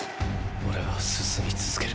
オレは進み続ける。